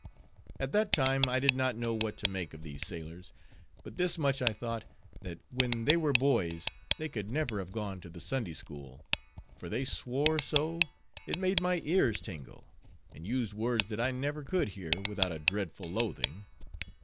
At that time I did not know what to make of these sailors; but this much I thought, that when they were boys, they could never have gone to the Sunday School; for they swore so, it made my ears tingle, and used words that I never could hear without a dreadful loathing.